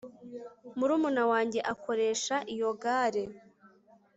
murumuna wanjye akoresha iyo gare